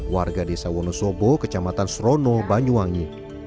warga desa wonosobo kecamatan srono banyuwangi